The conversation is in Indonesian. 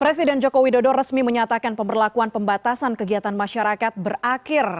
presiden joko widodo resmi menyatakan pemberlakuan pembatasan kegiatan masyarakat berakhir